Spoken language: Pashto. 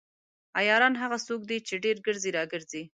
عیاران هغه څوک دي چې ډیر ګرځي راګرځي.